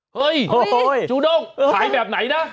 เฮ้ยจูด้งขายแบบไหนนะ